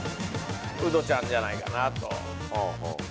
「ウドちゃんじゃないかなと」